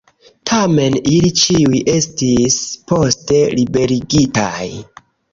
Tamen, ili ĉiuj estis poste liberigitaj.